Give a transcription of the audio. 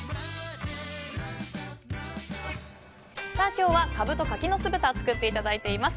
今日はカブと柿の酢豚を作っていただいています。